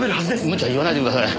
無茶言わないでください。